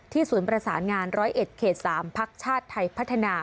ศูนย์ประสานงาน๑๐๑เขต๓พักชาติไทยพัฒนา